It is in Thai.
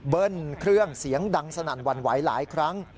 เครื่องเสียงดังสนั่นหวั่นไหวหลายครั้ง